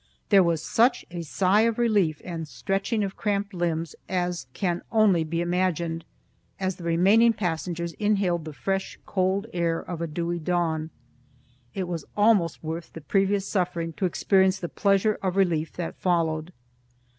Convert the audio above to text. There was such a sigh of relief and a stretching of cramped limbs as can only be imagined, as the remaining passengers inhaled the fresh cold air of dewy dawn. It was almost worth the previous suffering to experience the pleasure of relief that followed.